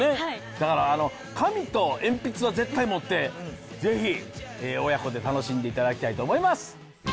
だから紙と鉛筆は絶対持ってぜひ、親子で楽しんでいただきたいと思います。